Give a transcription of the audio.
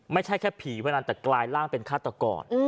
ไม่ใช่แค่ผีวันนั้นแต่กลายร่างเป็นฆาตกร